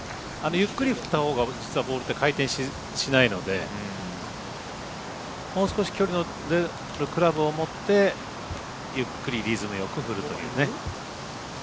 ゆっくり振ったほうが実はボールって回転しないのでもう少し距離の出るクラブを持ってゆっくりリズムよく振るというね。